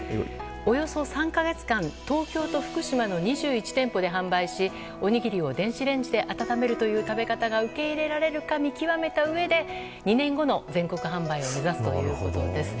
およそ３か月間東京と福島の２１店舗で販売しおにぎりを電子レンジで温めるという食べ方が受け入れられるか見極めたうえで２年後の全国販売を目指すということです。